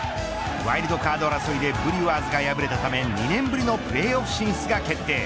ワイルドカード争いでブリュワーズが敗れたため２年ぶりのプレーオフ進出が決定。